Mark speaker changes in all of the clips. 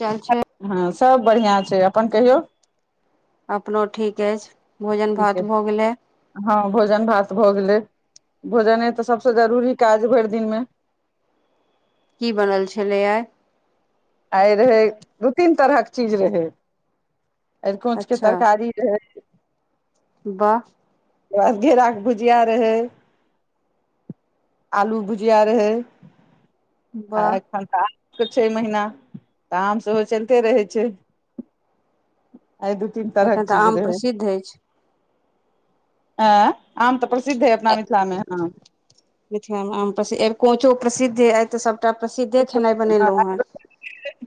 Speaker 1: चल छै
Speaker 2: हँ सभ बढ़िआँ छै अपन कहियौ।
Speaker 1: अपनो ठीक अछ। [unintelligible]
Speaker 2: ठीके, हां भोजन भात भ गेलै। भोजने त सब सं जरुरी काज भरि दिन मे।
Speaker 1: की बनल छलै आइ?
Speaker 2: आइ रहै, दु तीन तरहक चीज रहै। एरकोंचके
Speaker 1: अच्छा
Speaker 2: तरकारी रहै।
Speaker 1: वाह।
Speaker 2: आ घेरा के भुजिया रहै, आलू के भुजिया रहै। आ
Speaker 1: वाह
Speaker 2: एखन त। त छे महिना काम सेहो चलिते रहै छै। आइ दू तीन
Speaker 1: एखन त आम प्रसिद्ध अछि।
Speaker 2: एं, आम तऽ प्रसिद्ध अइ अपना मिथिलामे हँ
Speaker 1: मिथिला मे आम प्रसिद्ध, एरकोंचो प्रसिद्ध अति, आइ त सब सबटा प्रसिद्धे खेनाइ बनेलहुं हेँ।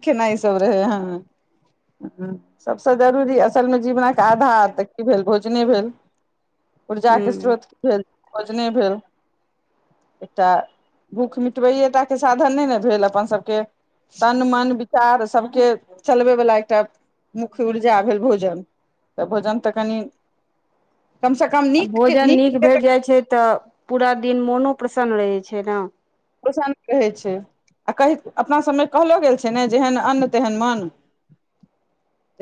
Speaker 2: खेनाइ सब रहे हें, सबसे जरूरी असलमे जीवनके आधार त की भेल भोजने भेल ऊर्जा
Speaker 1: हेँ
Speaker 2: के स्रोत भेल। भोजने भेल, एकटा भुख मिटबैेये टा के साधन नहि ने भेल अपना सबके। तन मन विचार सबके चलबै वला एकटा मुख्य ऊर्जा भेल भोजन, त भोजन त कनि कमसँ कम
Speaker 1: आ
Speaker 2: नीक के
Speaker 1: भोजन नीक
Speaker 2: के
Speaker 1: भेट जाइत छै त पुरा दिन मोनो प्रसन्न रहै छै ना।
Speaker 2: शांत रहै छै, आ कहि अपना सबमे कहलो गेल छै ने, जेहन अन्न तेहन मन।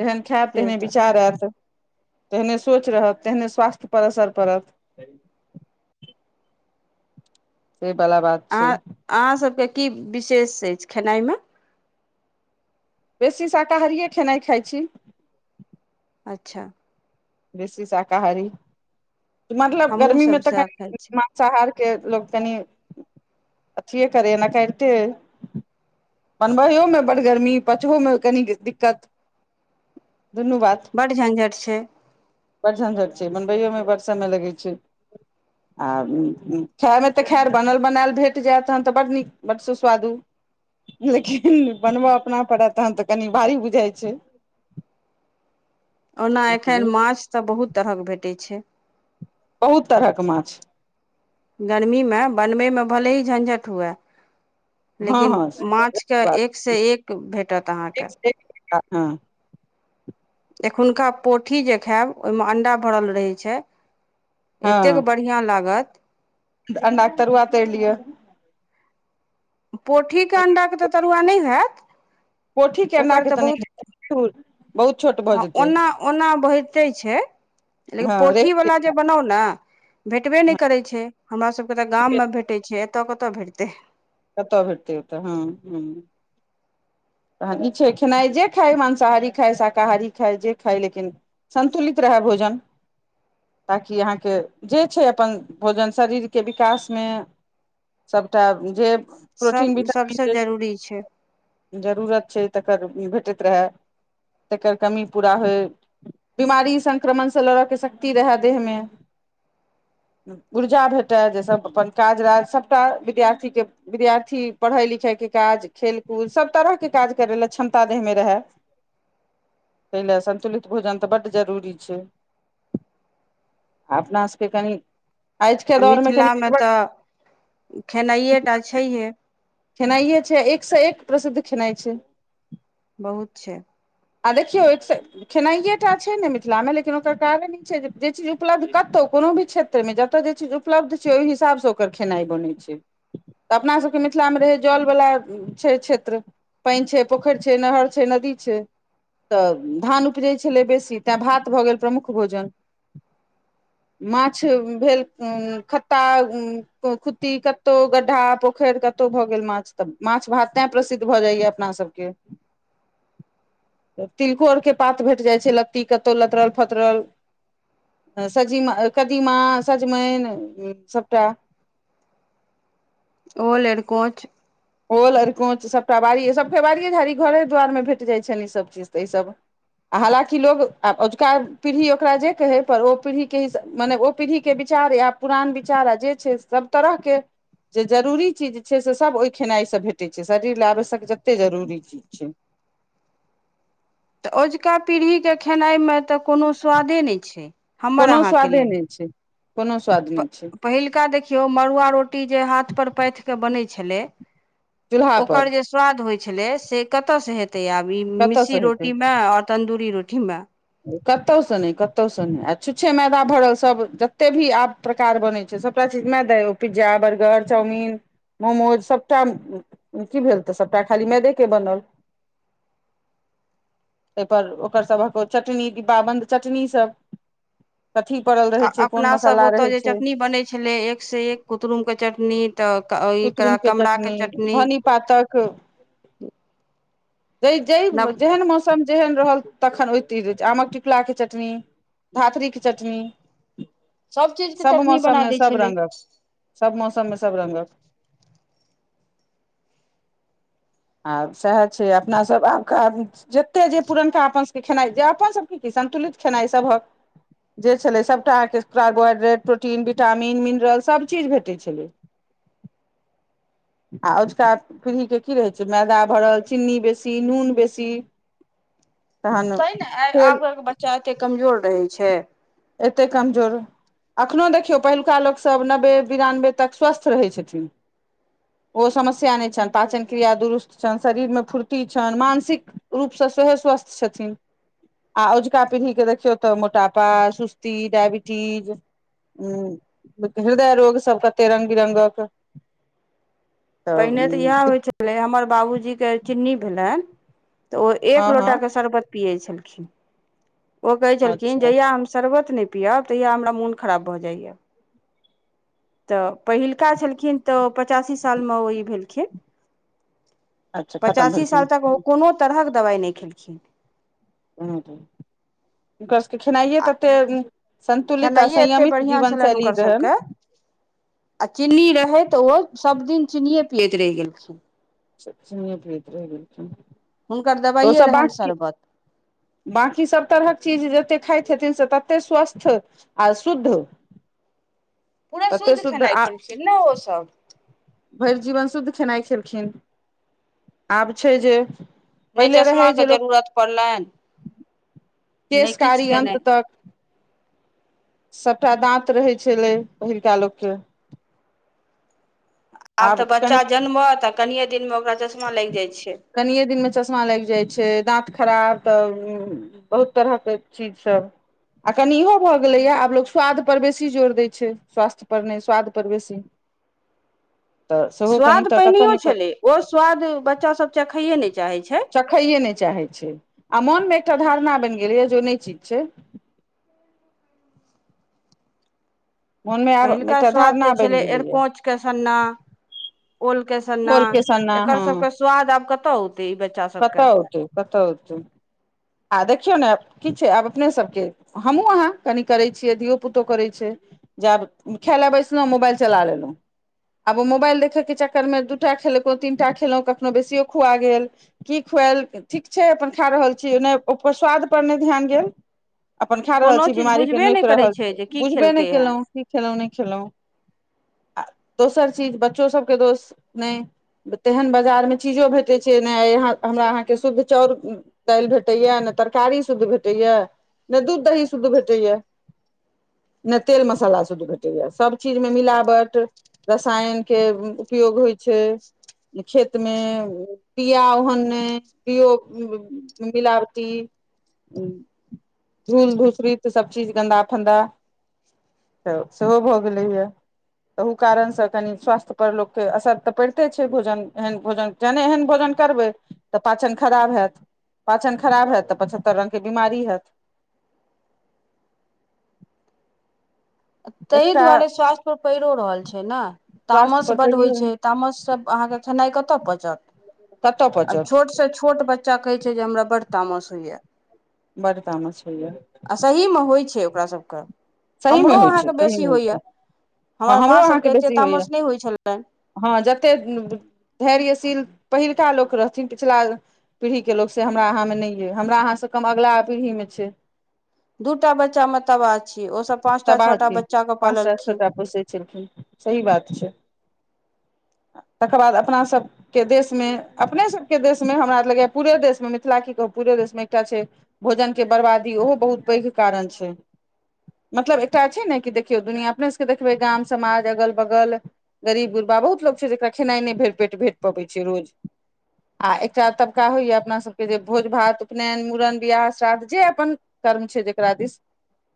Speaker 2: जेहन खायब,
Speaker 1: से
Speaker 2: तेहने
Speaker 1: तऽ
Speaker 2: विचार आयत। जेहने सोच रहत तेहने स्वास्थ्य पर असर पड़त। से बला बात
Speaker 1: आ,
Speaker 2: छै
Speaker 1: अहाँ सबके की विशेष अछि खेनाइमे
Speaker 2: बेसी शाकाहारिए खेनाइ खाइ छी।
Speaker 1: अच्छा।
Speaker 2: बेसी शाकाहारी। मतलब
Speaker 1: हमहूँ
Speaker 2: गर्मी मे
Speaker 1: सभ
Speaker 2: त
Speaker 1: सएह खाइ
Speaker 2: कनि
Speaker 1: छी
Speaker 2: मांसाहारी के लोक कनि अथिए करैये ना करिते ऐ। बनबहियओमे बड्ड गर्मी पाछहोमे कनि दिक्कत। [unintelligible]
Speaker 1: बड्ड झञझट छै। [unintelligible]
Speaker 2: बड् झञझट छै बनबैयओमे बड्ड समय लगै छै [unintelligible] आ खायमे तऽ खैर बनल बनायल भेट जायत तखन तऽ बड्ड नीक बड्। सुस्वादु लेकिन बनबय अपना पड़त तन तऽ कनि भारी बुझाइ छै। [unintelligible]
Speaker 1: ओना
Speaker 2: लेकिन ई
Speaker 1: एखैन माछ त बहुत तरहक भेटैत छै।
Speaker 2: बहुत तरहक माछ।
Speaker 1: गरमीमे बनबैमे भले ही झञझटि हुअए। [unintelligible]
Speaker 2: हँ
Speaker 1: लेकिन
Speaker 2: हँ
Speaker 1: माछके
Speaker 2: बात
Speaker 1: एकसँ एक भेटत
Speaker 2: एक
Speaker 1: अहाँकेँ। [unintelligible]
Speaker 2: से एक हँ। [unintelligible]
Speaker 1: एखुनका पोठी जे खायब ओहिमे अण्डा भरल रहै छै। [unintelligible] एतेक बढ़िआँ लागत। [unintelligible]
Speaker 2: अण्डाक तरुआ तरलियै। [unintelligible]
Speaker 1: पोठी के अंडा के तऽ तरुआ नहि होयत। [unintelligible]
Speaker 2: पोठी केड के तऽ नहि बहुत। [unintelligible]
Speaker 1: हँ
Speaker 2: जेतै
Speaker 1: ओना -ओना भढ़िते छै लेकिन
Speaker 2: हँ रेस्ट
Speaker 1: पोठीवला जे
Speaker 2: केलक,
Speaker 1: बनाउ ने भेटबे
Speaker 2: हँ
Speaker 1: नहि करैत छै हमरासभके तऽ गाममे
Speaker 2: रेस्ट
Speaker 1: भेटैत छै। त कतऽ कतअ भेटते। [unintelligible]
Speaker 2: कतऽ भेटतै होतै हँ ह। [unintelligible] तखन ई छै खेनाइ जे खाय मांसाहारी खाय शाकाहारी खााय जे खायइ लेकिन सन्तुलित रहय भोजन ताकि अहाँके जे छै अपन भोजन शरीरके विकासमे [unintelligible] सभटा जे।
Speaker 1: सभ
Speaker 2: प्रोटीन विटामिन
Speaker 1: सभसँ जरूरी छै। [unintelligible]
Speaker 2: [unintelligible] क। [unintelligible]
Speaker 1: आ मिथिलामे तऽ खेनाइए टा छहे। [unintelligible]
Speaker 2: खेनाइे छै एकसँ एक प्रसिद्ध। खिनाइ छै। [unintelligible]
Speaker 1: बहुत छै। [unintelligible]
Speaker 2: आ देखियौ खेनाइए टा छै ने मिथिलामे लेकिन ओकर कारण ई छै जे जे चीज उपलब्ध कतहु कोनो भी क्षेत्रमे जतय जे चीज उपलब्ध छै ओहि हिसाबसँ ओकर खेनाइ बनै छै तऽ अपनासभके मिथिलामे रहै जलवला छै क्षेत्र पानि छै पोखरि छै नहर छै नदी छै। तऽ धान उपजैत छलै बेसी तैँ भात भऽ गेल प्रमुख भोजन [unintelligible] माछ भेल खत्ता खुतटी कतहु गड्ढा पोखरि कतहु भऽ गेल माछ तऽ माछ भात तैँ प्रसिद्ध भऽ जाइए अपनासभके। तिलको आरके पात भेट जाइ छै लत्ती कतहु लतरल फतरल [unintelligible] सज कदीमा सजमनि सभटा। [unintelligible]
Speaker 1: ओल अड़कोच। [unintelligible]
Speaker 2: ओल अरकोँच सभटा बाड़ी सभ फेबड़िए झाड़ी घरे दुआरिमे भेट जाइत छनि ईसभ चीज तऽ ईसभ आ हालाँकि लोक आ अजुका पीढ़ी ओकरा जे कहै पर ओ पीढ़ीके मने ओ पीढ़ीके विचार आ पुरान विचार आ जे छै सभ तरहके जे जरूरी चीज छै से सभ ओहि। खेनाइ सब भेटै छै शरीर ल आवश्यक जते जरूरी चीज छै। [unintelligible]
Speaker 1: तऽ अझुका पीढ़ीके खेनाइमे तऽ कोनो स्वादे नहि छै।
Speaker 2: कोनो स्वादे नहि छै। कोनो स्वाद नहि छै
Speaker 1: पहिलका देखियौ मड़ुआ रोटी जे हाथ पर पाथ के बनै छै। छलै।
Speaker 2: चूल्हा
Speaker 1: [unintelligible]
Speaker 2: पर
Speaker 1: ओकर जे स्वाद होइ छै। छले से कतऽ से हेत। [unintelligible] आब ई
Speaker 2: कतयसँ
Speaker 1: मिस्सी
Speaker 2: हेतै
Speaker 1: रोट में और तंदूरी। प रोथििम्ा। [unintelligible]
Speaker 2: कतहुसँ नहि- कतहुसँ नहि आ छुच्छे मैदा भरल सभ जतेक भी आ-ब प्रकार बनै छै सभटा चीज मैदा ओ पिज्जा बर्गर चाउमीिन मोमोज सभटा की भेल तऽ -सभटा खाली मैदेके बनल। [unintelligible] एहिाहिपर ओकर सभक चटनी दिब्बाबन्द चटनीसभ। [unintelligible]
Speaker 1: आ अपनासभ ओतय जे चटनी बनै छलै एकसँ एक कुदुमके चटनी तऽ एक
Speaker 2: कुतुरुम के
Speaker 1: कमराके चटनी।
Speaker 2: धनी पातक
Speaker 1: [unintelligible]
Speaker 2: ज
Speaker 1: नव
Speaker 2: जेहन मौसम। मम जेहन रहल तखन ओ रह आमक टिकुला के चटनी धात्री के चटनी। [unintelligible]
Speaker 1: चीज
Speaker 2: [unintelligible]
Speaker 1: के
Speaker 2: सब
Speaker 1: चटनी बना
Speaker 2: मौसममे
Speaker 1: दै
Speaker 2: सब
Speaker 1: छलै
Speaker 2: रङंगक सब मौसममे। सब रंगक। [unintelligible] आ सएह छै अपनासभ आब ख। जते जे पुरनका अपन। [unintelligible] अपनो सबके जे संतुलित खेनाई थे छलै स। [unintelligible] आ अझुका पीढ़ीके की रहै छै मैदा भरल चीनी बेसी नून बेसी। [unintelligible]
Speaker 1: ती ने
Speaker 2: तेल
Speaker 1: आबके बच्चा एते कमजोर। कहै छै। [unintelligible]
Speaker 2: एतेक कमजोर अखनोहु देखियौ पहिलुका लोकसभ नब्बे बिरानबे तक स्वस्थ रहैत छथिन ओ समस्या नहि छनि पाचन क्रिया दुरुस्त छनि शरीरमे फुर्ती छनि मानसिक रूपसँ सेहोह स्वस्थ छथिन- आ अजुका पीढ़ीके देखियौ तऽ मोटापा। सुस्ती डायबिटीज [unintelligible] उ हृदय रोग सब कते रंग बिरगक।
Speaker 1: पहिने तऽ इएह होइ छलै हमर बाबूजीके। [unintelligible] चिन्नी भेलैन। [unintelligible] तऽ ओ एक
Speaker 2: हँ हँ
Speaker 1: लोटाे शरबत‌। पियै छलखिन। [unintelligible] ओ कहे छलखिन
Speaker 2: अच्छा
Speaker 1: जहिया हम सर्वोत। नहि पियअब तहिया हमरा मोन खराब भऽ जाइया। [unintelligible] तऽ पहिलका छलखिन तऽ ओ पचासी सालमे ओ ई भेलखिन।
Speaker 2: अच्छा
Speaker 1: [unintelligible]
Speaker 2: खतम
Speaker 1: पचासासी साल तक कोनो तरह। [unintelligible] दबाइ नहि खेलखिन। [unintelligible]
Speaker 2: ह। [unintelligible]
Speaker 1: आ
Speaker 2: आ
Speaker 1: खेनाइए एते
Speaker 2: संयमित
Speaker 1: बढ़िआँ
Speaker 2: जीवन
Speaker 1: छलनि
Speaker 2: शैली
Speaker 1: हुनकर
Speaker 2: रहनि
Speaker 1: सभके आ चीनी रहै तऽ ओ। सबदिन चिनिये पियैत रे गेल छै। [unintelligible]
Speaker 2: सुय भीत रह छै। [unintelligible]
Speaker 1: हुनकर
Speaker 2: ओ
Speaker 1: दबाइए
Speaker 2: सब ब
Speaker 1: रहनि शरबत
Speaker 2: बकी- सभ तरहक चीज जेक। खाइ छथिन से तते स्वस्थ आ शुद्ध। [unintelligible]
Speaker 1: पूरा
Speaker 2: तते
Speaker 1: शुद्ध खेनाइ
Speaker 2: आ
Speaker 1: खेलख ने ओसभ। [unintelligible]
Speaker 2: भरि जीवन शुद्ध खेनाइ खेलखिन [unintelligible] आब छै जे। [unintelligible]
Speaker 1: नहि चश्मा
Speaker 2: रहै
Speaker 1: के
Speaker 2: जे
Speaker 1: जरूरत पड़ले।
Speaker 2: केशकारी अन्त तक सभटा दाँत रहै छलै, पहिलका लोक के।
Speaker 1: आब तऽ बच्चा जनमह त कनिये दिन मे
Speaker 2: [unintelligible] कने दिनमे चश्मा लागि जाइ छै दाँत। खराब तऽ बहुत तरहके चीजसभ आ कनि इहो भऽ गेलैए आब लोक स्वादपर बेसी जोर दै छै स्वास्थ्य पर नहि स्वादपर बेसी। [unintelligible] सेहो कनि
Speaker 1: स्वाद
Speaker 2: तऽ कतहु
Speaker 1: पहिनो
Speaker 2: ने
Speaker 1: छलै ओ स्वाद। [unintelligible] बच्चा सब चखाइे नहि चाहैत छै
Speaker 2: सखैए नहि चाहै छै। आ मोन मे एकटा धारणा बनि गेलैएा जेो नहि ठीक छै। मोनमे आब
Speaker 1: पहिलुका
Speaker 2: एकटा
Speaker 1: स्वाद जे
Speaker 2: धारणा बनि
Speaker 1: छलै,
Speaker 2: गेलैए
Speaker 1: अरकोँचके सन्ना ओल के सन्ना,
Speaker 2: घोल के सन्ना
Speaker 1: एकर
Speaker 2: हँ
Speaker 1: सभके स्वाद आब कतऽ औते ई बच्चा सबके।
Speaker 2: कतऽ औतै कतऽ औतै आ देखियौ ने की छै आब अपने सबके हमहुूँ अहाँ कनि करै छियै, धियो पुतो करै छै, जे आब खाय लए बैसलहुँ मोबाइल चला लेलहुँ, आब ओ मोबाइल देखैके चक्कर मे दूटा खेलकहुँ, तीनटा खेलहुँ, कखनो बेसियो खुआ गेल, की खुआएल ठीक छै अपन खा रहल ओपर स्वाद पर नहि ध्यान गेल। अपन खा रहल
Speaker 1: कोनो
Speaker 2: छी,
Speaker 1: चीज
Speaker 2: बिीमारी के
Speaker 1: बुझबे
Speaker 2: नोति
Speaker 1: नहि करै
Speaker 2: रहल छै,
Speaker 1: जे की
Speaker 2: बुझबे नहि
Speaker 1: खेलकै हेँ
Speaker 2: केलहुँ की खेलहुँ नहि खेलहुँ। आ दोसर चीज बच्चो सभ के दोष नहि, तेहन बाजारमे चीजो भेटैत छै, नहि अहाँ हमरा अहाँके शुद्ध चाउर दालि भेटैया न तरकारी शुद्ध भेटैया, न दूध, दही शुद्ध भेटैया, न तेल, मसाला शुद्ध भेटैए, सभ चीज मे मिलावट रसायन के उपयोग होइत छै, खेतमे पआ ओहन नहि पओ मिलावटी झूल धूसड़ सभ चीज गन्दा फन्दा, तऽ सेहो भऽ गेलैए त ओ कारण सँ कनी स्वास्थ्य परर लोक के असर तऽ पड़िते छै, भोजन एहन भोजन जहने एहन भोजन करबै तऽ पाचन खराब हैत। पाचन खराब हयत, तऽ पचहत्तर रंग के बीमारी होयत।
Speaker 1: ताहि दुआरे स्वास्थ्य पर पड़िो रहल छै न।
Speaker 2: स्वास्थ्य
Speaker 1: तामस
Speaker 2: पर
Speaker 1: बड होइ
Speaker 2: पड़ियौ
Speaker 1: छै, तामस सब अहाँके खेनाई कतऽ पचत
Speaker 2: कतऽ
Speaker 1: आब
Speaker 2: पचत
Speaker 1: छोट से छोट बच्च च्चा कहे छै जे हमरा बड़ड तामस होइया
Speaker 2: बड़ तामस छैया
Speaker 1: का सबके
Speaker 2: सही मे होई छै, सही मे होई छै, ह,
Speaker 1: हमर
Speaker 2: हमरो
Speaker 1: माँ
Speaker 2: अहा
Speaker 1: सभके
Speaker 2: के
Speaker 1: एते
Speaker 2: बेसी होइया,
Speaker 1: तामस नहि होइ छलनि
Speaker 2: जते धैर्य ी पहिलका लोक रहथिन पिछिला पीढ़ी के लोक से हमरा अहाँमे नहि अइ, हमरा अहाँ सँ कम अगिला पीढ़ी मे छै।
Speaker 1: दूटा बच्चा मताबाद
Speaker 2: तबाह छै, पाँचटा
Speaker 1: पाललखिन
Speaker 2: छोटा पोषै छैिन, सही बात छै। तकर बाद अपना सभ के देश मे, अपने सभ के देश मे, हमरा लगैए पूरे देश मे मिथिला की कहू पूरे देश मे एकटा छै, भोजन के बरबादी, ओहो बहुत पैघ कारण छै। मतलब एकटा छै ने कि देखियौ दुनिआँ अपने सभ केँ देखबै, गाव, समाज, अगल-बगल, गरीब गुरबा बहुत लोक छै, जकरा खेनाइ नहि भेटेट भेट पबै छै, रोज आ एकटा तबका होइए अपना सभके जे भोज भात उपनयन मूड़न बियाह श्राद्ध जे अपन कर्म छै जकरा दिस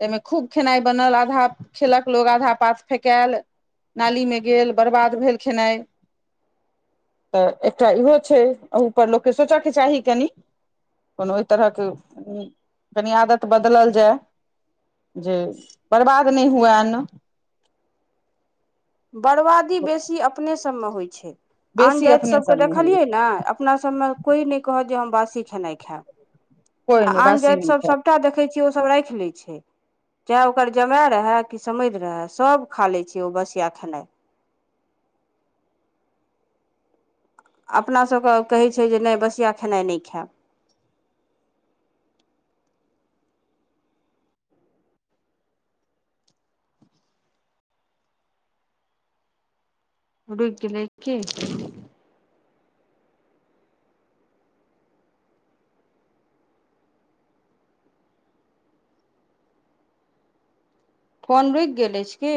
Speaker 2: एहिाहिमे खूब खेनाइ बनल, आधा खेलक लोक आधा पास फेकायल नाली मे गेल बर्बाद भेल, खेनाइ तऽ एकटा इहो छै एहूपर लोक केँ सोचय के चाही, कनि कोनो ओहि तरह के कनि आदत बदलल जाय। जे बर्बाद नहि हुएन्न
Speaker 1: बर्बादी बेसी अपने से सभ मे होइ छै। आन
Speaker 2: बेसी
Speaker 1: जाति
Speaker 2: अपने
Speaker 1: सभकेँ
Speaker 2: सब नहि
Speaker 1: देखलियै
Speaker 2: होइया
Speaker 1: ने अपना सबमें कोइ नहि कहत जे हम। बासी खेनाइ खायब।
Speaker 2: कोइ
Speaker 1: आ
Speaker 2: नहि
Speaker 1: आन
Speaker 2: बासी नहि
Speaker 1: जातिसभ
Speaker 2: खाय
Speaker 1: सभटा देखैत छै। ओ सभ राखि लै छै, चाहे ओकर जमाए रहै कि समधि रहै सभ खा लैछै ओ बसिया खेनाइ अपना सभ के कहै छै जे नहि बसिया खेनाइ नहि खायब। उड़क लके फोन रुकि गेल अछी की।